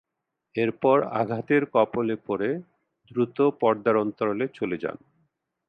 এরপর আঘাতের কবলে পড়ে দ্রুত পর্দার অন্তরালে চলে যান।